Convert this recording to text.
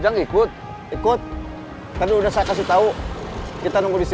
dan mematur octopus pada kaki nama living clam